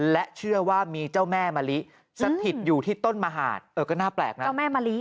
และเชื่อว่ามีเจ้าแม่มะริสถิตอยู่ที่ต้นมหาดก็น่าแปลกนะ